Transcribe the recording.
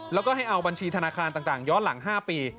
แล้วก็ให้เอาบัญชีธนาคารต่างย้อนหลัง๕ปี